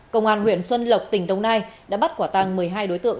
công an huyện xuân lộc tỉnh đông nai đã bắt quả tàng một mươi hai đối tượng